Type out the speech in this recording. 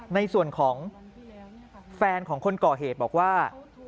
ในส่วนของแฟนของคนก่อเหตุบอกว่า